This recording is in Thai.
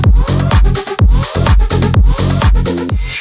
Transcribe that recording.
ด้วย